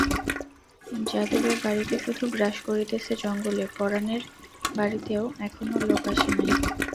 যাদবের বাড়িটা শুধু গ্রাস করিতেছে জঙ্গলে, পরানের বাড়িতেও এখনো লোক আসে নাই।